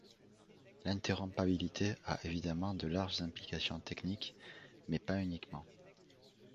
L'interopérabilité a évidemment de larges implications techniques, mais pas uniquement.